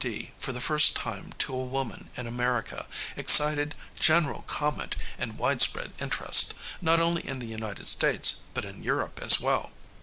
D. for the first time to a woman in America excited general comment and widespread interest, not only in the United States, but in Europe as well.